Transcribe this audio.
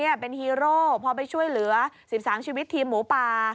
นี่เป็นฮีโร่พอไปช่วยเหลือ๑๓ชีวิตทีมหมูป่า